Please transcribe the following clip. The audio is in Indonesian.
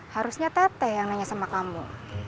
harusnya teteh yang nanya sama kamu